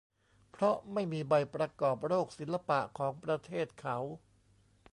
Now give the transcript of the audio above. เพราะไม่มีใบประกอบโรคศิลปะของประเทศเขา